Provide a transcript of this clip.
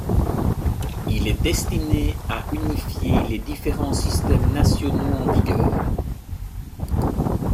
Il est destiné à unifier les différents systèmes nationaux en vigueur.